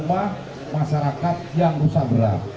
masuk tahap rehabilitasi masyarakat yang rusak berat